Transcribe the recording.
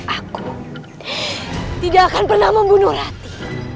aku tidak akan pernah membunuh rati